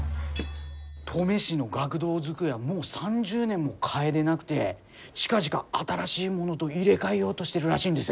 登米市の学童机はもう３０年も替えでなくて近々新しいものど入れ替えようどしてるらしいんです。